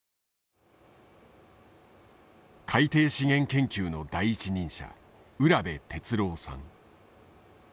海底資源研究の第一人者浦辺徹郎さん。